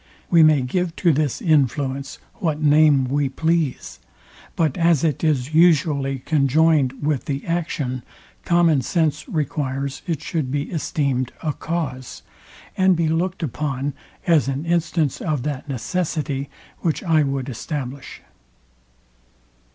We may give to this influence what name we please; but as it is usually conjoined with the action, common sense requires it should be esteemed a cause, and be booked upon as an instance of that necessity, which I would establish.